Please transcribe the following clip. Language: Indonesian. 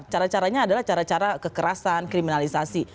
cara caranya adalah cara cara kekerasan kriminalisasi